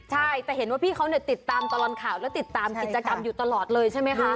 ใช่แต่เห็นว่าพี่เขาติดตามตลอดข่าวและติดตามกิจกรรมอยู่ตลอดเลยใช่ไหมคะ